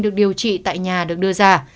được điều trị tại nhà được đưa ra